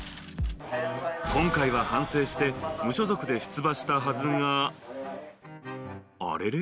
今回は、反省して無所属で出馬したはずがあれれ？